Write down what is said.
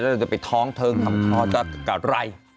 แล้วจะไปท้องเทิงกับทอดกับไร่